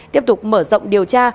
tiếp tục mở rộng điều tra